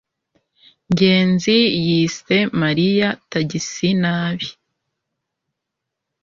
ngenzi yise mariya tagisi nabi